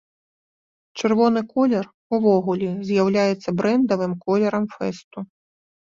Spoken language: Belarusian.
Чырвоны колер увогуле з'яўляецца брэндавым колерам фэсту.